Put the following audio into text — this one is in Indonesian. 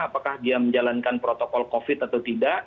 apakah dia menjalankan protokol covid atau tidak